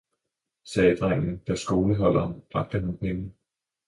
sagde drengen, da skoleholderen bragte ham pengene.